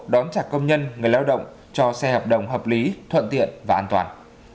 đón trả công nhân người lao động cho xe hợp đồng hợp lý thuận tiện và an toàn